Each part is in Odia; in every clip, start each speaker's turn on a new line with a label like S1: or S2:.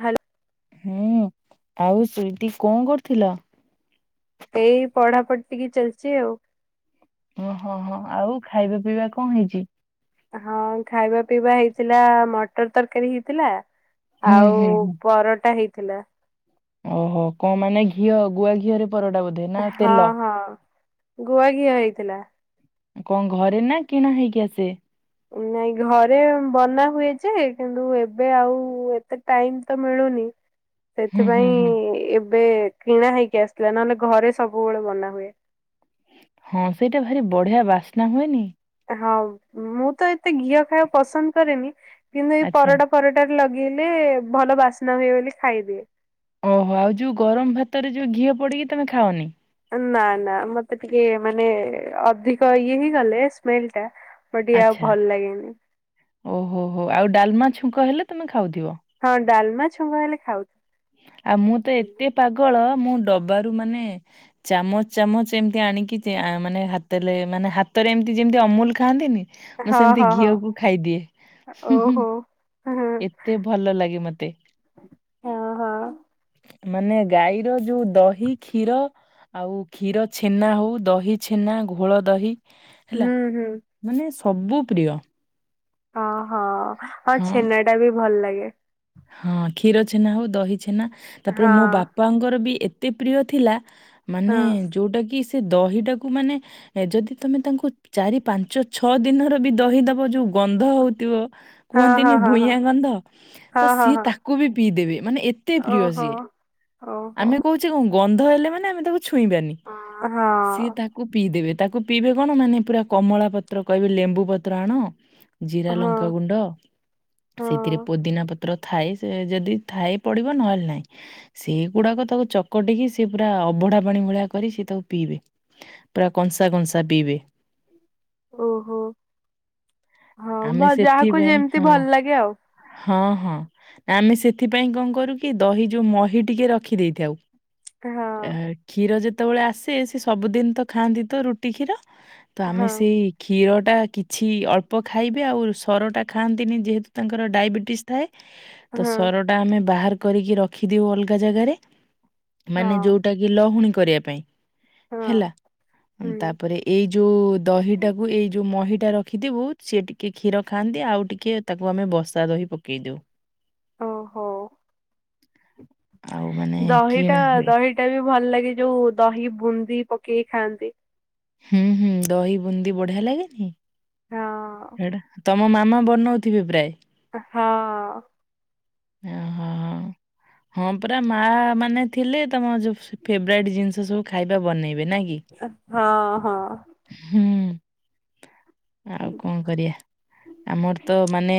S1: ହ୍ୟାଲୋ।
S2: ହୁଁ ଆଉ ସ୍ବିଟି କଣ କରୁଥିଲ?
S1: ଏଇ ପଢ଼ା ପଢ଼ି ଟିକେ ଚାଲିଛି ଆଉ।
S2: ଓହଁ ହଁ ଆଉ ଖାଇବା ପିଇବା କଣ ହେଇଛି?
S1: ହଁ ଖାଇବା ପିଇବା ହେଇଥିଲା ମଟର ତରକାରୀ ହେଇଥିଲା।
S2: ହୁଁ
S1: ଆଉ
S2: ହୁଁ ହୁଁ
S1: ପରଟା ହେଇଥିଲା।
S2: ଓହୋ କଉ ମାନେ ଘିଅ ଗୁଆ ଘିଅରେ ପରଟା ବଧେ।
S1: ହଁ ହଁ ଗୁଆ ଘିଅ ହେଇଥିଲା।
S2: କଣ ଘରେ ନା କିଣା ହେଇକି ଆସେ?
S1: ନାଇଁ ଘରେ ବନା ହୁଏଜେ କିନ୍ତୁ ଏବେ ଆଉ ଏତେ ଟାଇମ୍ ତ ମିଳୁନି।
S2: [inaudible]
S1: ସେଥିପାଇଁ
S2: ହୁଁ
S1: ଏବେ କିଣା ହେଇକି ଆସଥିଲା ନହେଲେ ଘରେ ସବୁବେଳେ ବନା ହୁଏ।
S2: ହଁ ସେଇଟା ଭାରି ବଢିଆ ବାସ୍ନା ହୁଏନି?
S1: ହଁ ମୁଁ ତ ଏତେ ଘିଅ ଖାଇଆକୁ ପସନ୍ଦ କରେନି, କିନ୍ତୁ ଏଇ
S2: ଆଚ୍ଛା।
S1: ପରଟା ଫର ଟାରେ ଲଗେଇଲେ ଭଲ ବାସ୍ନା ହୁଏ ବୋଲି ଖାଇଦିଏ।
S2: ଓହୋ ଆଉ ଯୋଉ ଗରମ ଭାତରେ ଯୋଉ ଘିଅ ପଡିକି ତମେ ଖାଅନି।
S1: ନା ନା ମତେ ଟିକେ ମାନେ ଅଧିକ ଇଏ ହେଇଗଲେ ସ୍ମେଲ ଟା ତ ଟିକେ ଆଉ
S2: ଆଚ୍ଛା।
S1: ଭଲ ଲାଗେନି।
S2: ଓହୋ ହୋ ଆଉ ଡାଲମା ଛୁଙ୍କ ହେଲେ ତମେ ଖାଉଥିବ?
S1: ହଁ ଡାଲମା ଛୁଙ୍କ ହେଲେ ଖାଉ।
S2: ଆଉ ମୁଁ ତ ଏତେ ପାଗଳ ମୁଁ ଡବାରୁ ମାନେ ଚାମଚ ଚାମଚ ଏମିତି ଆଣିକି ଯେ ଆଁ ମାନେ ହାତରେ ଲେ ମାନେ ହାତରେ ଏମିତି ଯେମିତି ଅମୁଲ ଖାଆନ୍ତିନି ମୁଁ
S1: ହଁ
S2: ସେମିତି
S1: ହଁ ହଁ
S2: ଘିଅକୁ ଖାଇଦିଏ। ହୁଁହୁଁ।
S1: ଓହୋ ହଁ
S2: ଏତେ ଭଲ ଲାଗେ ମତେ।
S1: ଓହୋ।
S2: ମାନେ ଗାଈର ଯୋଉ ଦହି, କ୍ଷୀର ଆଉ କ୍ଷୀର ଛେନା ହଉ, ଦହି ଛେନା, ଗୋ ଘୋଳ ଦହି, ହେଲା।
S1: ହୁଁ
S2: ମାନେ ସବୁ ପ୍ରିୟ।
S1: ଓହୋ ହଁ ଛେନା ଟା ବି ଭଲ ଲାଗେ।
S2: ହଁ କ୍ଷୀର ଛେନା ହଉ, ଦହି ଛେନା ତାପରେ
S1: ହଁ।
S2: ମୋ ବାପାଙ୍କର ବି ଏତେ ପ୍ରିୟ ଥିଲା ମାନେ
S1: ହଁ
S2: ଯୋଉଟା କି ସେ ଦହିଟାକୁ ମାନେ--ଏ ଯଦି ତମେ ତାଙ୍କୁ ଚାରି ପାଞ୍ଚ ଛଅ ଦିନର ବି ଦହି ଦବ ଯୋଉ ଗନ୍ଧ ହୋଉଥିବ
S1: ହଁ
S2: କୁହନ୍ତିନି
S1: ହଁ ହଁ
S2: ଭୂଇଆଁ ଗନ୍ଧ
S1: ହଁ
S2: ତ
S1: ହଁ
S2: ସିଏ
S1: ହଁ ହଁ
S2: ତାକୁ ବି ପିଇଦେବେ ମାନେ ଏତେ ପ୍ରିୟ
S1: ଓହୋ
S2: ସିଏ।
S1: ଓହୋ।
S2: ଆମେ କହୁଚେ କଣ ଗନ୍ଧ ହେଲେ ମାନେ ଆମେ ତାକୁ ଛୁଇଁବାନି।
S1: ହଁ
S2: ସିଏ
S1: ହଁ
S2: ତା କୁ ପିଇଦବେ ତାକୁ ପିଇବେ କଣ ମାନେ ପୁରା କମଳା ପତ୍ର କହିବେ ଲେମ୍ବୁ ପତ୍ର ଆଣ। ଜିରା
S1: ହଁ
S2: ଲଙ୍କାଗୁଣ୍ଡ ସେଥିରେ ପୋଦିନା ପତ୍ର ଥାଏ ସେ ଯଦି ଥାଏ ପଡିବ ନହେଲେ ନାଇଁ। ସେମ୍ ଗୁଡାକ ତାକୁ ଚକଟିକି ସେଏ ପୁରା ଅଭଢା ପାଣି ଭଳିଆ କରି ସିଏ ତାକୁ ପିଇବେ। ପୁରା କଂସା କଂସା ପିଇବେ।
S1: ଓହୋ ହଁ
S2: ଆମେ
S1: ଭ ଯାହାକୁ
S2: ସେଥିପାଇଁ
S1: ଯେମିତି
S2: ହଁ
S1: ଭଲ ଲାଗେ ଆଉ।
S2: ହଁ ହଁ ନା ଆମେ ସେଥିପାଇଁ କଣ କରୁ କି ଦହି ଯୋଉ ମହି ଟିକେ ର ଖି ଦେଇଥାଉ।
S1: ହଁ
S2: ଏଁ କ୍ଷୀର ଯେତେବେଳେ ଆସେ ସେ ସବୁଦିନ ତ ଖାଆନ୍ତି ତ ରୁଟି କ୍ଷୀର। ତ ଆମେ
S1: ହଁ
S2: ସେଇ କ୍ଷୀର ଟା କି ଛି ଅଳ୍ପ ଖାଇବେ ଆଉ ସରଟା ଖାଆନ୍ତିନି ଯେହେତୁ ତାଙ୍କର ଡାଇବେଟିସ୍ ଥାଏ। ତ
S1: ହଁ
S2: ସର ଟା ଆମେ ବାହାର କରିକି ରଖିଦେଉ ଅଲଗା ଜାଗାରେ। ମାନେ
S1: ହଁ।
S2: ଯୋଉଟା କି ଲହୁଣୀ କରିବା ପାଇଁ।
S1: ହଁ
S2: ହେଲା।
S1: ହୁଁ
S2: ତାପରେ ଏଇ ଯୋଉ ଦହିଟାକୁ ଏଇ ଯୋଉ ମହିଟା ରଖିଥିବୁ ସିଏ ଟିକେ କ୍ଷୀର ଖାଆନ୍ତି ଆଉ ଟିକେ ତାକୁ ଆମେ ବସା ଦହି ପକେଇ ଦୋଉ।
S1: ଓହୋ
S2: ଆଉ ମାନେ
S1: ଦହିଟା
S2: କିଣା ହୁଏ।
S1: ଦହି ଟା ବି ଭଲ ଲାଗେ ଯୋଉ ଦହି ବୁନ୍ଦି ପକେଇ ଖାଆନ୍ତି।
S2: ହୁଁ ହୁଁ ଦହି ବୁନ୍ଦି ବଢିଆ ଲାଗେନି?
S1: ହଁ
S2: ହେଟା ତମ ମାମା ବନୋଉଥିବେ ପ୍ରାୟ?
S1: ଅ ହଁ।
S2: ଉଁ ହଁ ହଁ। ହଁ ପରା, ମା ମାନେ ଥିଲେ ତମ ଯୋଉ ଫେବରାଇଟ୍ ଜିନିଷ ସବୁ ଖାଇବା ବନେଇବେ, ନା କି?
S1: ହଁ ହଁ।
S2: ହୁଁ, ଆଉ କଣ କରିବା? ଆମର ତ ମାନେ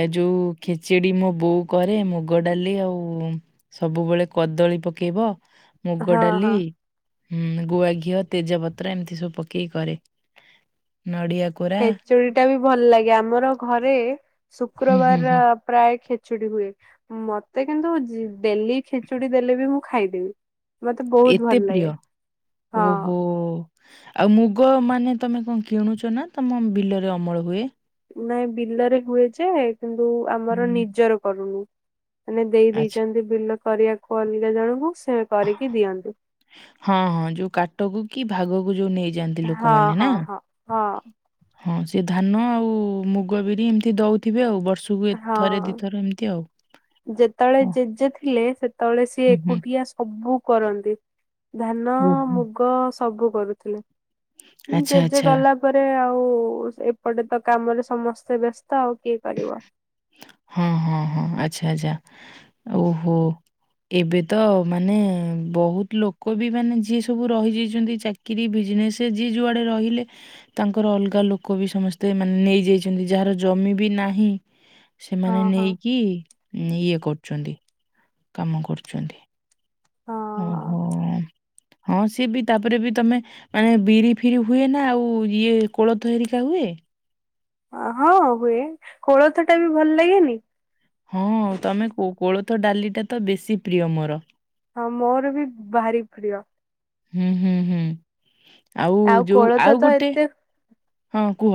S2: ଏ ଯୋଉ ଖେଚେଡି ମୋ ବୋଉ କରେ, ମୁଗ ଡାଲି ଆଉ ସବୁବେଳେ କଦଳୀ ପକେଇବ, ମୁଗ
S1: ହଁ ହଁ।
S2: ଡାଲି ହୁଁ ଗୁଆ ଘିଅ, ତେଜପତ୍ର ଏମିତି ସବୁ ପକେଇକି କରେ, ନଡିଆ କୋରା
S1: ଖେଚେଡ଼ି ଟା ବି ଭଲ ଲାଗେ, ଆମର ଘରେ,
S2: ହୁଁ ହୁଁ
S1: ଶୁକ୍ରବାର
S2: ହୁଁ
S1: ପ୍ରାୟ ଖେଚୁଡି ହୁଏ, ମତେ କିନ୍ତୁ ଦେଲି ଖେଚୁଡି ଦେଲେ ବି ମୁଁ ଖାଇଦେବି। ମତେ ବହୁତ
S2: ଏତେ
S1: ଭଲ
S2: ପ୍ରିୟ
S1: ଲାଗେ, ହଁ।
S2: ଓହୋ। ଆଉ ମୁଗ ମାନେ ତମେ କଣ କିଣୁଚ, ନା ତମ ବିଲରେ ଅମଳ ହୁଏ?
S1: ନାଇଁ ବିଲରେ ହୁଏ ଯେ କିନ୍ତୁ
S2: ହୁଁ
S1: ଆମର
S2: ହୁଁ
S1: ନିଜର କରୁନୁ। ମାନେ ଦେଇ
S2: ଆଚ୍ଛା
S1: ଦେଇଚନ୍ତି ବିଲ କରିବାକୁ ଅଲଗା ଜଣଙ୍କୁ, ସେ କରିକି ଦିଅନ୍ତି।
S2: ହଁ ହଁ, ଯୋଉ କାଟକୁ କି ଭାଗକୁ ଯୋଉ ନେଇଯାଆନ୍ତି
S1: ହଁ
S2: ଲୋକମାନେ
S1: ହଁ
S2: ନା?
S1: ହଁ ହଁ
S2: ହଁ, ସେ ଧାନ ଆଉ ମୁଗ ବିରି ଏମିତି ଦଉଥିବେ ଆଉ, ବର୍ଷକୁ ଥରେ
S1: ହଁ
S2: ଦିଇଥର ଏମିତି ଆଉ।
S1: ଯେତେବେଳେ ଜେଜେ ଥିଲେ, ସେତେବେଳେ ସିଏ ଏକୁଟିଆ ସବୁ କରନ୍ତି, ଧାନ
S2: ହୁଁ ହୁଁ
S1: ଗ ସବୁ କରୁଥିଲେ,
S2: ଆଚ୍ଛା,
S1: ଜେଜେ
S2: ଆଚ୍ଛା।
S1: ଗଲା ପରେ ଆଉ, ଏପଟେ ତ କାମରେ ସମସ୍ତେ ବ୍ୟସ୍ତ ଆଉ କିଏ କରିବ?
S2: ହଁ ହଁ ହଁ, ଆଛା ଆଛା, ଓହୋ। ଏବେ ତ ମାନେ, ବହୁତ ଲୋକ ବି ମାନେ ଯିଏ ସବୁ ରହିଯାଇଚନ୍ତି ଚାକି କିରି, ବିଜନେସ ଯିଏ ଯୁଆଡ଼େ ରହିଲେ ତାଙ୍କର ଅଲଗା ଲୋକ ବି ସମସ୍ତେ ମାନେ ନେଇଯାଇଚନ୍ତି, ଯାହାର ଜମି ବି ନାହିଁ,
S1: ହଁ
S2: ସେମାନେ
S1: ହଁ
S2: ନେଇକି ଇଏ କରୁଚନ୍ତି। କାମ କରୁଚନ୍ତି। ଓହୋ,
S1: ହଁ
S2: ହଁ ସିଏ ବି ତାପରେ ବି ତମେ ମାନେ ବିରି ଫିରି ହୁଏ ନା, ଆଉ ଇଏ କୋଳଥ ହେରିକା ହୁଏ?
S1: ହଁ ହୁଏ, ଖୋଳଥ ଟା ବି ଭଲ ଲାଗେନି?
S2: ହଁ, ତମେ କୋଳଥ ଡାଲି ଟା ତ ବେଶୀ ପ୍ରିୟ ମୋର।
S1: ହଁ, ମୋର ବି ଭାରି ପ୍ରିୟ।
S2: ହୁଁ ହୁଁ ହୁଁ, ଆଉ ଯୋଉ,
S1: କୋଳଥ
S2: ଆଉ
S1: ତ
S2: ଗୋଟେ
S1: ଏତେ
S2: ହଁ, କୁହ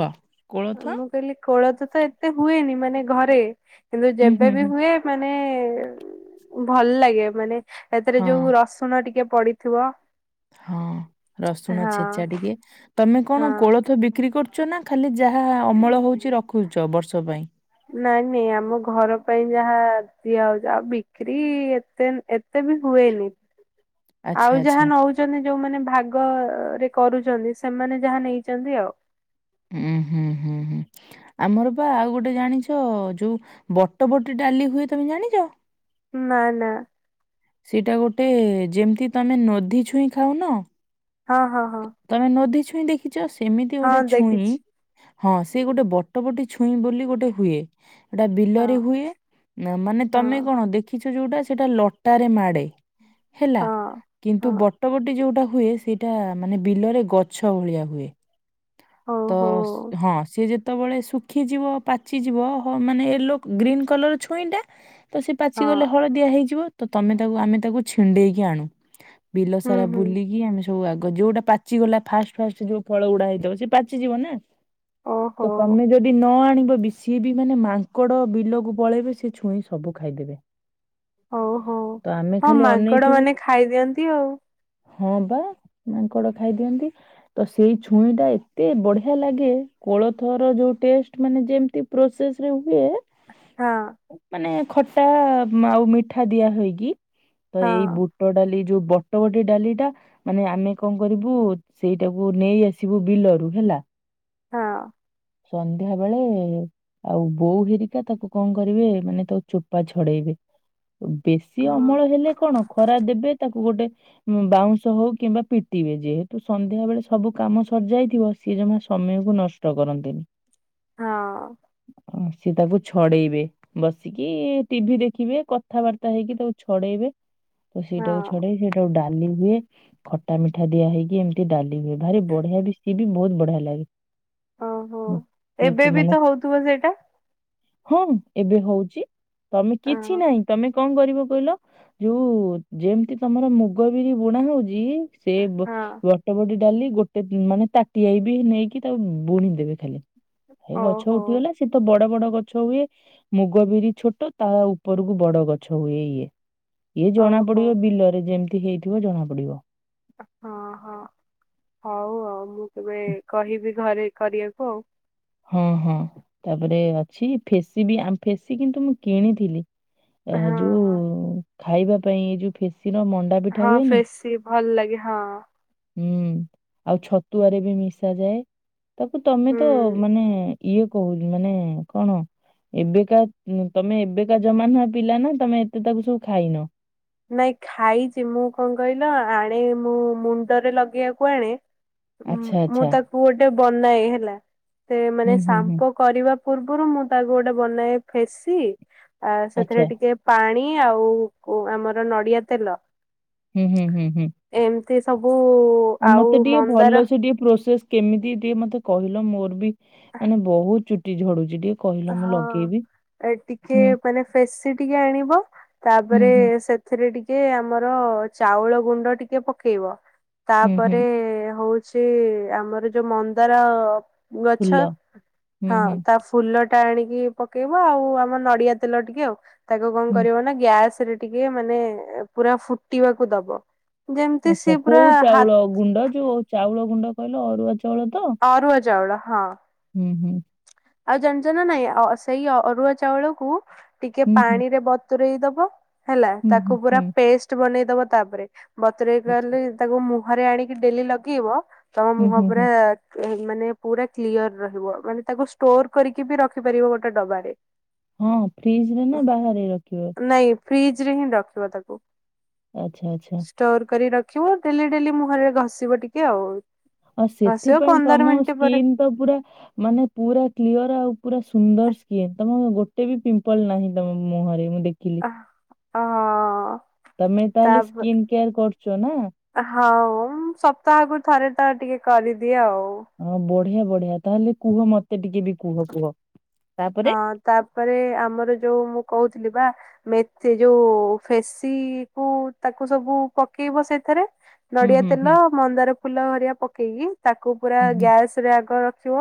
S2: କୋଳଥ
S1: ମୁଁ କହିଲି କୋଳଥ ତ ଏତେ ହୁଏନି ମାନେ ଘରେ, ହେଲେ
S2: ହୁଁ ହୁଁ
S1: ଯେବେବି
S2: ହୁଁ।
S1: ହୁଏ ମାନେ ଭଲ ଲାଗେ, ମାନେ ହେଥେରେ
S2: ହଁ
S1: ଯୋଉ ରସ୍ ଶୁଣ ଟିକେ ପଡିଥିବ
S2: ହଁ ରସୁଣ
S1: ହଁ
S2: ଛେଚା ଟିକେ, ତମେ କଣ
S1: ହଁ
S2: କୋଳ ତ ବିକ୍ରି କରୁଚ ନା, ଖାଲି ଯାହା ଅମଳ ହଉଚି, ରଖୁଚ, ବର୍ଷ ପାଇଁ?
S1: ନାଇଁ ନାଇଁ ଆମ ଘର ପାଇଁ ଯାହା ଦିଆହଉଚି, ଆଉ ବିକ୍ରି ଏତେ ଏ ତେ ବି ହୁଏନି।
S2: [inaudible]
S1: ଆଉ
S2: ଆଚ୍ଛା
S1: ଯାହା ନଉ ଚନ୍ତି, ଯୋଉମାନେ ଭାଗ ରେ କରୁଚନ୍ତି, ସେମାନେ ଯାହା ନେଇଚନ୍ତି ଆଉ।
S2: ହୁଁ ହୁଁ ହୁଁ ହୁଁ। ଆମର ପା ଆଉ ଗୋଟେ ଜାଣିଚ, ଯୋଉ ବଟବଟି ଡାଲି ହୁଏ ତମେ ଜାଣିଚ?
S1: ନା ନା।
S2: ସେଇଟା ଗୋଟେ ଯେମିତି ତମେ ନଧି ଛୁଇଁ ଖାଉନ
S1: ହଁ ହଁ। ହଁ
S2: ତମେ ନଦୀ ଛୁଇଁ ଦେଖିଛ ସେମିତି
S1: ହଁ
S2: ଗୋଟେ ଛୁଇଁ
S1: ଦେଖିଛି
S2: ହଁ ସେ ଗୋଟେ ବଟ ବଟେ ଛୁଇଁ ବୋଲି ଗୋଟେ ହୁଏ ସେଟା
S1: ହଁ
S2: ବିଲରେ ହୁଏ। ମାନେ
S1: ହଁ
S2: ତମେ କଣ ଦେଖିଛ ଯୋଉଟା ସେଇଟା ଲଟାରେ ମାଡେ ହେଲା,
S1: ହଁ।
S2: କିନ୍ତୁ
S1: ହଁ
S2: ବଟବଟି ଯୋଉଟା ହୁଏ ସେଇଟା ମାନେ ବିଲରେ ଗଛ ଭଳିଆ ହୁଏ। ତ
S1: ଓହୋ
S2: ହଁ ସି ଯେତେବେଳେ ସୁଖ୍ ଖିଯିବ ପାଚିଯିବ ହ ମାନେ ୟେଲୋ ଗ୍ରୀନ କଲର ଛୁଇଁ ଟା ତ ସେ ପାଚି
S1: ହଁ
S2: ଗଲେ ହଳଦିଆ ହେଇଯିବ। ତ ତମେ ତାକୁ ଆମେ ତାକୁ ଛିଣ୍ଡେଇକି ଆଣୁ। ବିଲ
S1: ହୁଁ
S2: ସାରା
S1: ହୁଁ।
S2: ବୁଲିକି ଆମେ ସବୁ ଆଗ ଯୋଉଟା ପାଚିଗଲା ଫାଷ୍ଟ ଫାଷ୍ଟ ଯୋଉ ଫଳ ଗୁଡା ହେଇଥିବ ସେ ପାଚିଯିବ ନା
S1: ଓହୋ
S2: ତମେ ଯଉି ଯଦି ନ ଆଣିବ ବି ସିଏ ବି ମାନେ ମାଙ୍କଡ ବିଲକୁ ପଳେଇବେ ସେି ଛୁଇଁ ସବୁ ଖାଇଦେବେ।
S1: ହଉ ହଉ,
S2: ତ ଆମେ
S1: ହଁ
S2: ଖାଲି
S1: ମାଙ୍କଡ
S2: ଅନେଇଥିବୁ
S1: ମାନେ ଖାଇଦିଅନ୍ତି ଆଉ।
S2: ହଁ ବା ମାଙ୍କଡ ଖାଇଦିଅନ୍ତି। ତ ସେଇ ଛୁଇଁ ଟା ଏତେ ବଢିଆ ଲାଗେ କୋଳଥର ଯୋଉ ଟେଷ୍ଟ ମାନେ ଯେମତି ପ୍ରୋସେସ ରେ ହୁଏ।
S1: ହଁ।
S2: ମାନେ ଖଟା ଆଉ ମିଠା ଦିଆହଇକି ତ ଏଇ ବୁଟ ଡାଲି ଯୋଉ ବଟ ବଟି ଡାଲି ଟା ମାନେ ଆମେ କଣ କରିବୁ ସେଇଟାକୁ ନେଇ ଆସିବୁ ବିଲରୁ ହେଲା।
S1: ହଁ।
S2: ସନ୍ଧ୍ୟା ବେଳେ ଆଉ ବୋଉ ହେରିକା ତାକୁ କଣ କରିବେ ମାନେ ତୋ ଚୋପା ଛଡେଇବେ। ବେଶୀ
S1: ହଁ
S2: ଅମଳ ହେଲେ କଣ ଖରା ଦେବେ ତାକୁ ଗୋଟେ ବାଉଁଶ ହଉ କିମ୍ବା ପିଟ ିବେ ଯେହେତୁ ସନ୍ଧ୍ୟା ବେଳେ ସବୁ କାମ ସର୍ଯାଇଥିବ ସିଏ ଜମା ସମୟକୁ ନଷ୍ଟ କରନ୍ତିନି।
S1: ହଁ।
S2: ଅ ସିଏ ତାକୁ ଛଡେଇବେ। ବସିକି ଟିଭିି ଦେଖିବେ। କଥାବାର୍ତ୍ତା ହେଇକି ତାକୁ ଛଡେଇବେ। ତ
S1: ହଁ
S2: ସେଇଟାକୁ
S1: ହଁ
S2: ଛଡେଇ ସେଇଟାକୁ ଡାଲି ହୁଏ। ତା ମିଠା ଦିଆ ହେଇକି ଏମିତି ଡାଲି ହୁଏ ଭାରି ବଢିଆ ବି ସିଏ ବି ବହୁତ ବଢିଆ ଲାଗେ।
S1: ଓହୋ ଏବେ ବି ତ
S2: ସେମାନକୁ
S1: ହଉଥିବ ସେଇଟା
S2: ହଁ ଏବେ ହଉଛି, ତମେ କିଛି
S1: ହଁ
S2: ନାହିଁ ତମେ କଣ କରିବ କହିଲ? ଯୋଉ ଯେମିତି ତମର ମୁଗ ବିରି ବୁଣା ହଉଛି ସେ
S1: ହଁ
S2: ବଟ ବଟି ଡାଲି ଗୋଟେ ମାନେ ତାଟିଆଇ ବି ନେଇକି ତାକୁ ବୁଣି ଦେବେ ଖାଲି। ଏ ଗଛ
S1: ଓହୋ
S2: ଉଠିଗଲା ସେ ତ ବଡ ବଡ ଗଛ ଗଛ ହୁଏ, ମୁଗ ବିରି ଛୋଟ ତା ଉପରକୁ ବଡ ଗଛ ହୁଏ ଇଏ ଇଏ ଜଣା
S1: ଓହୋ
S2: ପଡିବ ବିଲରେ ଯେମତି ହେଇଥିବ ଜଣା ପଡିବ।
S1: ହଁ ହଁ, ହଉ ଆଉ ମୁଁ କେବେ କହିବି ଘରେ କରିବାକୁ ଆଉ।
S2: ହଁ ହଁ, ତାପରେ ଅଛି ଫେସି ବି ଫେସି କିନ୍ତୁ ମୁଁ କିଣିଥିଲି।
S1: ଆଉ ହଁ
S2: ଯୋଉ
S1: ହଁ
S2: ଖାଇବା ପାଇଁ ଏଇ ଯୋଉ ଫେସିର ମଣ୍ଡା ପିଠା
S1: ହଁ
S2: ହୁଏନି
S1: ଫେଶୀ ଭଲ ଲାଗେ ହଁ।
S2: ହୁଁ ଆଉ ଛତୁଆରେ ବି ମିଶ ଯାଏ। ତାକୁ ତମେ
S1: ହୁଁ
S2: ତ ମାନେ ଇଏ କହୁନି ମାନେ କଣ ଏବେକା ତମେ ଏବେକା ଜମାନା ହଆ ପିଲା ନା ତମେ ଏତେ ତାକୁ ସବୁ ଖାଇନ।
S1: ନାଇଁ ଖାଇଛି ମୁଁ କଣ କହିଲ ଆଳେ ମୁଁ ମୁଣ୍ଡରେ ଲଗେଇବାକୁ ଆଣେ
S2: ଆଚ୍ଛା
S1: ମୁଁ
S2: ଆଚ୍ଛା
S1: ତାକୁ ଗୋଟେ ବନାଏ ହେଲା, ସେ
S2: ହୁଁ
S1: ମାନେ
S2: ହୁଁ ହୁଁ
S1: ସାମ୍ପ କରିବା ପୂର୍ବରୁ ମୁଁ ତାକୁ ଗୋଟେ ବନାଏ ଫେସି ଆ
S2: ଆଚ୍ଛା
S1: ସେଥିରେ ଟିକେ ପାଣି ଆଉ ଆମର ନଡିଆ ତେଲ
S2: ହୁଁ ହୁଁ ହୁଁ ହୁଁ।
S1: ଏମିତି ସବୁ
S2: ମତେ
S1: ଆଉ
S2: ଟିକେ
S1: ମନ୍ଦାର
S2: ଭଲସେ ଟିକେ ପ୍ରୋସେସ କେମିତି ଟିକେ ମତେ କହିଲ ମୋର ବି ମାନେ ବହୁତ ଚୁଟି ଝଡୁଛି ଟିକେ। କହିଲ ମୁଁ ଲଗେଇବି।
S1: ହଁ ଟିକେ
S2: ହୁଁ
S1: ମାନେ ଫେସି ଟିକେ ଆଣିବ
S2: ହୁଁ
S1: ତାପରେ
S2: ହୁଁ
S1: ସେ ଏଥିରେ ଟିକେ ଆମର ଚାଉଳ ଗୁଣ୍ଡ ଟିକେ ପକେଇବ
S2: ହୁଁ ହୁଁ
S1: ତାପରେ ହଉ ସେ ଆମର ଯୋଉ ମନ୍ଦାର ଗଛ
S2: ଫୁଲ ହୁଁ
S1: ହଁ
S2: ହୁଁ
S1: ତା ଫୁଲ ଟା ଆଣିକି ପକେଇବ ଆଉ ଆମ ନଡିଆ ତେଲ ଟିକେ ଆଉ ତାକୁ କଣ
S2: ହୁଁ।
S1: କରିବ ନା ଗ୍ୟାସ ରେ ଟିକେ ମାନେ ପୁରା ଫୁଟିବାକୁ ଦବ ଯେମିତି
S2: ଆଚ୍ଛା
S1: ସି ପୁରା
S2: କୋଉ ଚାଉଳ
S1: ହାତ
S2: ଗୁଣ୍ଡ ଯୋଉଉ ଚାଉଳ ଗୁଣ୍ଡ କହିଲ ଅରୁଆ ଚାଉଳ ତ
S1: ସାରୁଆଜାବଳ ହଁ
S2: ହୁଁ ହୁଁ
S1: ଆଉ ଜାଣିଛ ନା ନାଇଁ ସେଇ ଅରୁଆ ଚାଉଳକୁ ଟିକେ
S2: ହୁଁ, ହୁଁ,
S1: ପାଣିରେ ବତରେଇ ଦବ ହେଲା
S2: ହୁଁ,
S1: ତାକୁ
S2: ହୁଁ,
S1: ପୁରା
S2: ହୁଁ,
S1: ପେଷ୍ଟ ବନେଇଦବା ତାପରେ
S2: ଆଚ୍ଛା,
S1: ବତୁରଲେ ତାକୁ ମୁହରେ ଆଣିକି ଡେଲି ଲଗେଇବ ତମ
S2: ହୁଁ,
S1: ମୁହଁ
S2: ହୁଁ,
S1: ଉପରେ
S2: ହୁଁ,
S1: ମାନେ ପୁରା କ୍ଲିୟର ରହିବ ମାନେ ତାକୁ ଷ୍ଟୋର କରିକି ବି ରଖିପାରିବ ଗୋଟେ ଡବାାରେ
S2: ହଁ ଫ୍ରିଜ ରେ ନା ବାହାରେ ରଖିବ
S1: ନାଇଁ ଫ୍ରିଜ ରେ ହିଁ ରଖିବ ତାକୁ
S2: ଆଚ୍ଛା ଆଛା
S1: ଷ୍ଟୋର କରି ରଖିବ ଡେଲି ଡେଲି ମୁହଁରେ ଘଷିବ ଟିକେ ଆଉ
S2: ଆଉ
S1: ଘଷିବ
S2: ସେଥିପାଇଁ
S1: ପନ୍ଦର
S2: ତମ
S1: ମିନିଟ ପରେ
S2: ସ୍କିନ୍ ପୁରା ମାନେ ପୁରା କ୍ଲିଅର ଆଉ ପୁରା ସୁନ୍ଦର ସ୍ଏ ତମ ଗୋଟେ ଏତେ ବି ପିମ୍ପଲ ନାହିଁ ତମ ମୁହଁରେ ମୁଁ ଦେଖି
S1: ଅ
S2: ତମେ ତାହେଲେ ସ୍କିନ୍ କେୟାର କରୁଛ ନା
S1: ହଁ ସପ୍ତାହରୁ ଥରେ ଟ ଟିକେ କରିଦିଏ ଆଉ
S2: ହଁ ବଢିଆ ବଢିଆ ତାହେଲେ କୁହ ମତେ ଟିକେ ବି କୁହ କୁହ ତାପରେ
S1: ହଁ ତାପରେ ଆମର ଯୋଉ ମୁଁ କହୁଥିଲି ବା ମେଥି ଯୋଉ ଫେସି କୁ ତାକୁ ସବୁ ପକେଇବ ସେଥିରେ।
S2: ହୁଁ
S1: ନଡିଆ
S2: ହୁଁ
S1: ତେଲ,
S2: ହୁଁ
S1: ମନ୍ଦାର ଫୁଲ ଭରିଆ ପକେଇକି ତାକୁ ପୁରା
S2: ହୁଁ ହୁଁ
S1: ଗ୍ୟାସ୍ ଆଗ ରଖିବ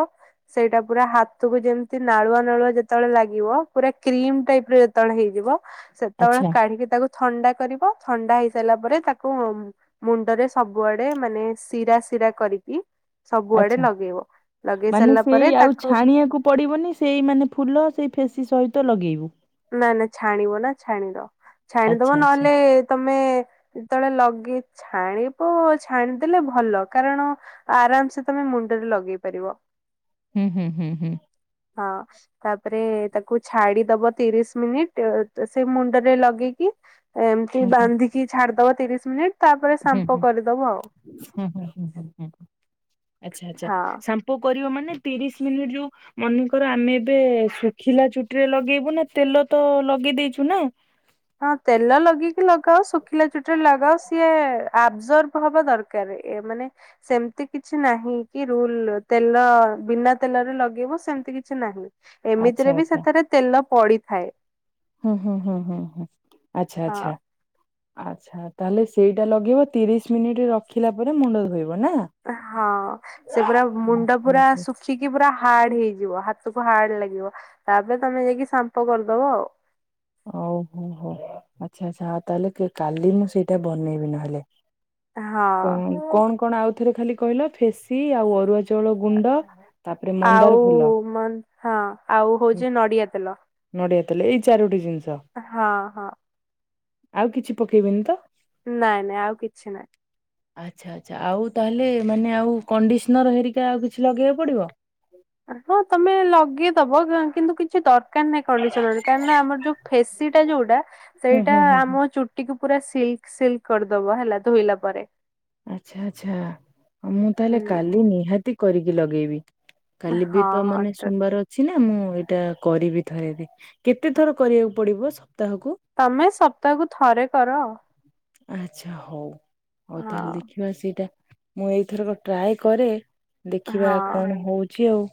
S1: ସେଇଟା ପୁରା ହାତକୁ ଯେମିତି ନାଳୁଆ ଯେତେବେଳେ ଲାଗିବ ପୁରା କ୍ରିମ ଟାଇପ ର ଯେତେବେଳ ହେଇଯିବ ସେତେବେଳେ
S2: ଆଚ୍ଛା
S1: କାଢ଼ିକି ତାକୁ ଥଣ୍ଡା କରିବ ଥଣ୍ଡା ହେଇ ସାରିଲା ପରେ ତାକୁ ମୁଣ୍ଡରେ ସବୁଆଡେ ମାନେ ଶିରା ଶିରା କରିକି ସବୁଆଡେ
S2: ଆଚ୍ଛା
S1: ଲଗେଇବ ଲଗେଇ ସାରିଲା ପରେ ତାକୁ
S2: ପଡ଼ିବନି ସେଇ ମାନେ ଫୁଲ ସେଇ ଫେସି ସହିତ ଲଗେଇବୁ।
S1: ନା ନା ଛାଣିବ ନା ଛାଣଦ ଛାଣିଦବ
S2: ଆଚ୍ଛା ଆଚ୍ଛା
S1: ନହେଲେ ତମେ ଯେତେବେଳେ ଲଗେଇ ଛାଣିବ ଛାଣିଦେଲେ ଭଲ କାରଣ ଆରାମ ସେ ତମେ ମୁଣ୍ଡରେ ଲଗେଇ ପାରିବ।
S2: ହୁଁ-ହୁଁ-ହୁଁ-ହୁଁ।
S1: ହଁ। ତାପରେ ତାକୁ ଛାଡି ଦବ ତିରିଶ ମିନିଟ ସେ ମୁଣ୍ଡରେ ଲଗେଇକି। ଏମିତି
S2: ହୁଁ
S1: ବାନ୍ଧିକି ଛାଡିଦବ ତିରିଶ ମିନିଟ୍।
S2: ହ ହ ଆଚ୍ଛା
S1: ହଁ।
S2: ଆଚ୍ଛା। କରିବ ମାନେ ତିରିଶ ମିନିଟ୍ ଯୋଉ ମନେକର ଆମେ ଏବେ ଶୁଖିଲା ଚୁଟିରେ ଲଗେଇବୁ ନା ତେଲ ତ ଲଗେଇ ଦେଇେଇଛୁ ନା।
S1: ହଁ ତେଲ ଲଗେଇକି ଲଗାଅ ଶୁଖିଲା ଚୁଟିରେ ଲଗାଅ ସିଏ ଆବଜର୍ଭ ହବା ଦରକାର ମାନେ ସେମିତି କିଛି ନାହିଁ କି ରୁଲ ତେଲ ବିନା ତେଲରେ ଲଗେଇବ ସେମିତି କିଛି ନାହିଁ।
S2: ଆଚ୍ଛା
S1: ଏମିତିରେ ବି
S2: ଆଚ୍ଛା
S1: ସେଥିରେ ତେଲ ପଡିଥାଏ।
S2: ହୁଁ ହୁଁ ହୁଁ ହୁଁ ହୁଁ ଆଚ୍ଛା
S1: ହଁ
S2: ଆଚ୍ଛା। ଆଚ୍ଛା ତାହେଲେ ସେଇଟା ଲଗେଇବ ତିରିଶ ମିନିଟ୍ ରଖିଲା ପରେ ମୁଣ୍ଡ ଧୋଇବ ନା?
S1: ହଁ ସେ ପୁରା ମୁଣ୍ଡ
S2: ହୁଁ
S1: ପୁରା
S2: ହୁଁ।
S1: ଶୁ ଶୁଖିକି ପୁରା ହାର୍ଡ ହେଇଯିବ ହାତକୁ ହାର୍ଡ ଲାଗିବ ତାପରେ ତମେ ଯାଇକି ସାମ୍ପ କରିଦବ ଆଉ।
S2: ଓହୋ ହୋ ଆଚ୍ଛା ଆଚ୍ଛା ଆଉ ତାହେଲେ କାଲି ମୁଁ ସେଇଟା ବନେଇବି ନହେଲେ। ତ
S1: ଆଉ ହଁ।
S2: କଣ କଣ ଆଉଥରେ ଖାଲି କହିଲ ଫେସି ଆଉ ଅରୁଆ ଚାଉଳ ଗୁଣ୍ଡ ତାପରେ ମନ୍ଦାର
S1: ଆଉ
S2: ଫୁଲ
S1: ମ ହଁ ଆଉ ହଉଛି ନଡିଆ ତେଲ।
S2: ନଡ଼ିଆ ତାଲେ ଏଇ ଚାରୋଟି ଜିନିଷ।
S1: ହଁ ହଁ।
S2: ଆଉ କିଛି ପକେଇବେନି ତ?
S1: ନାଇଁ ନାଇଁ ଆଉ କିଛି ନାଇଁ।
S2: ଆଚ୍ଛା ଆଚ୍ଛା ଆଉ ତାହେଲେ ମାନେ ଆଉ କଣ୍ଡିସନର ହେରିକା ଆଉ କିଛି ଲଗେଇବାକୁ ପଡିବ?
S1: ହଁ ତମେ ଲଗେଇଦବ କିନ୍ତୁ କିଛି ଦରକାର ନାହିଁ କଣ୍ଡିସନରେ କାରଣ ଆମର ଯୋଉ ଫେସି ଟା ଯୋଉଟା
S2: ହୁଁ
S1: ସେଇଟା
S2: ହୁଁ ହୁଁ ହୁଁ
S1: ଆମ ଚୁଟିକୁ ପୁରା ସିଲିକ ସିଲିକ କରିଦବ ହେଲା ଧୋଇଲା ପରେ।
S2: ଆଚ୍ଛା ଆଚ୍ଛା ମୁଁ ତାହେଲେ
S1: ହୁଁ
S2: କାଲି ନିହାତି କରିକି ଲଗେଇବି। କାଲି ବି
S1: ହଁ
S2: ତ ମାନେ
S1: ହଁ
S2: ସୁବାର ଛିନା ମୁଁ ଏଇଟା କରିବି ଥରେ ଦେ କେତେ ଥର କରିବାକୁ ପଡିବ ସପ୍ତାହକୁ?
S1: ତମେ ସପ୍ତାହକୁ ଥରେ କର।
S2: ଆଚ୍ଛା ହଉ ହଉ ତାହେଲେ ଦେଖିବା ସେଇଟା ମୁଁ ଏଇଥରକ ଟ୍ରାଏ କରେ। ଦେଖିବା
S1: ହଁ।
S2: କଣ ହଉଛି ଆଉ।